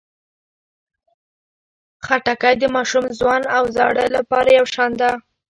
خټکی د ماشوم، ځوان او زاړه لپاره یو شان ده.